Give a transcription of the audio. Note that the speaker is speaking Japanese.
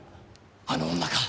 あの女か。